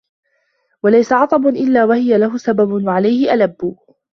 وَلَيْسَ عَطَبٌ إلَّا وَهِيَ لَهُ سَبَبٌ ، وَعَلَيْهِ أَلَبُّ